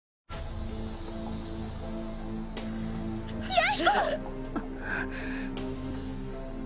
弥彦！